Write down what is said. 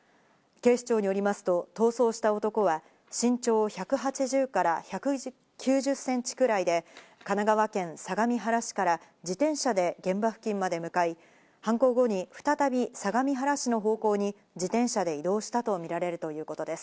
警視庁によりますと、逃走した男は身長１８０から１９０センチくらいで、神奈川県相模原市から、自転車で現場付近まで向かい、犯行後に再び相模原市の方向に自転車で移動したとみられるということです。